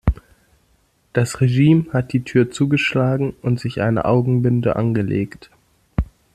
Das Regime hat die Tür zugeschlagen und sich eine Augenbinde angelegt.